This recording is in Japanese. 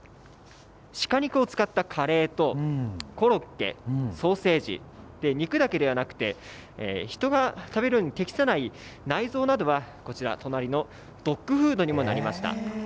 鹿肉を使ったカレーとコロッケ、ソーセージ、肉だけではなくて人が食べるのに適さない内臓などはこちら、隣のドッグフードにもなりました。